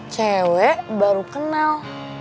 cewek baru kenal